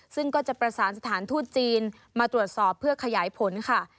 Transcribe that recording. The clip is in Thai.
ซึ่งก็จะประสานสถานทูตจีนมาตรวจสอบเพื่อขยายผลค่ะ